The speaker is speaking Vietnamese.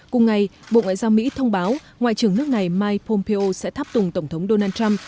cùng ngày bộ ngoại giao mỹ thông báo ngoại trưởng nước này mike pompeo sẽ thắp tùng tổng thống donald trump